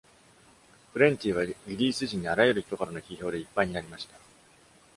「Plenty」はリリース時にあらゆる人からの批評でいっぱいになりました。